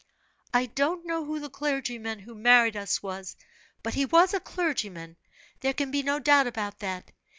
"I don't know who the clergyman who married us was; but he was a clergyman: there can be no doubt about that.